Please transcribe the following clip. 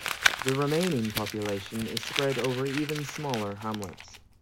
The remaining population is spread over even smaller hamlets.